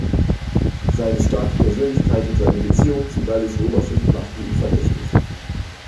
Seine starke Persönlichkeit und seine Beziehungen zur gallischen Oberschicht machten ihn verdächtig.